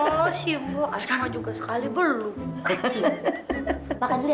wah si mbok ada asma sekali belum